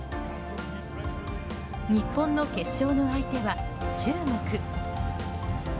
日本の決勝の相手は中国。